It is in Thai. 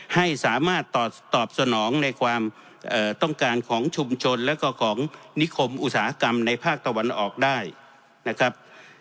ให้สามารถตอบสนองในความต้องการของชุมชนแล้วก็ของนิคมอุตสาหกรรมในภาคตะวันออกได้นะครับ